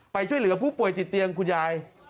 ช่วยเหลือผู้ป่วยติดเตียงคุณยาย